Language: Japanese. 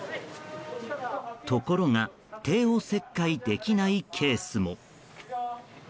ところが帝王切開できないケースも。